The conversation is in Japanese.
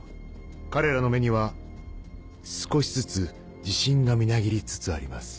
彼らの目には少しずつ自信がみなぎりつつあります